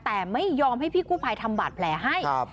แต่ไม่ยอมให้พี่กู้ภัยทำบาดแผลให้